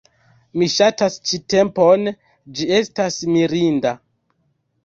Mi ŝatas ĉi tempon, ĝi estas mirinda...